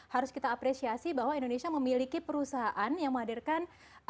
harus kita apresiasi bahwa indonesia memiliki perusahaan yang menghadirkan